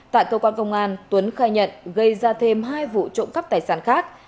tại cơ quan công an tuấn khai nhận gây ra thêm hai vụ trộm cắp tài sản khác